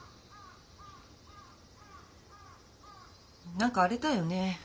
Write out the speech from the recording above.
何かあれだよね